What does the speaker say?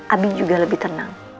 abi juga lebih tenang